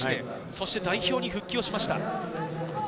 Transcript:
そして代表に復帰をしました。